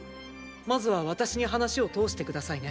まずは私に話を通して下さいね。